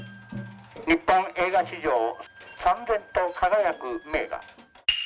日本映画史上燦然と輝く名画。